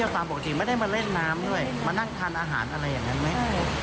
ใส่ชุดชีพอยู่ตลอดเลยมันแพ้แล้วทีนี้ก็กลับบ้านเขาก็เลยกอด